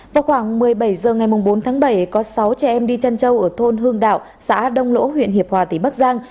vào khoảng một mươi bảy h ngày bốn tháng bảy có sáu trẻ em đi chăn trâu ở thôn hương đạo xã đông lỗ huyện hiệp hòa tỉnh bắc giang